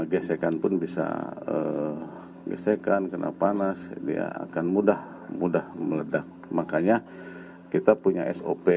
gesekan pun bisa gesekan kena panas dia akan mudah mudah meledak makanya kita punya sop